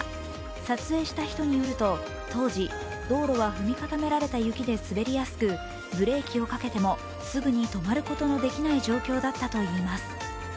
撮影した人によると当時道路は踏み固められた雪で滑りやすく、ブレーキをかけてもすぐに止まることのできない状況だったといいます。